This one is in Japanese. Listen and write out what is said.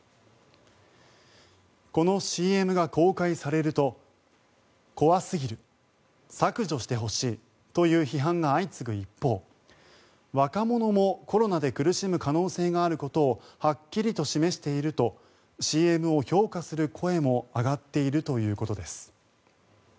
このＣＭが公開されると怖すぎる、削除してほしいという批判が相次ぐ一方若者もコロナで苦しむ可能性があることをはっきりと示しているとＣＭを評価する声も上がっているということです。